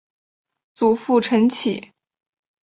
祖父陈启。